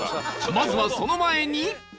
まずはその前に